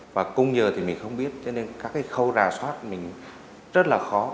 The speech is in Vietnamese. và cung giờ thì mình không biết cho nên các cái khâu rà soát mình rất là khó